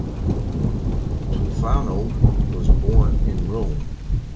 Tofano was born in Rome.